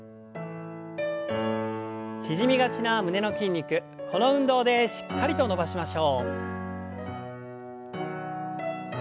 縮みがちな胸の筋肉この運動でしっかりと伸ばしましょう。